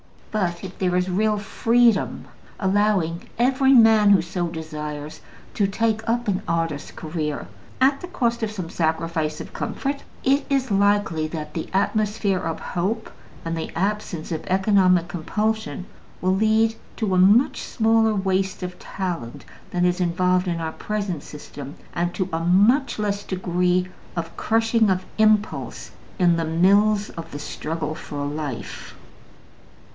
But if there is real freedom, allowing every man who so desires to take up an artist's career at the cost of some sacrifice of comfort, it is likely that the atmosphere of hope, and the absence of economic compulsion, will lead to a much smaller waste of talent than is involved in our present system, and to a much less degree of crushing of impulse in the mills of the struggle for life.